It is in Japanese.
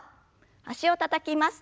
脚をたたきます。